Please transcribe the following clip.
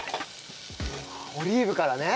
オリーブからね！